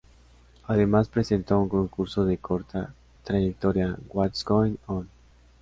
Además, presentó un concurso de corta trayectoria, "What's Going On?